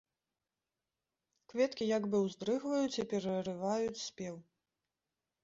Кветкі як бы ўздрыгваюць і перарываюць спеў.